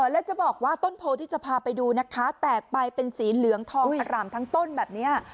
แล้วจะบอกว่าต้นโพที่จะพาไปดูนะคะแตกไปเป็นสีเหลืองทองอร่ามทั้งต้นแบบนี้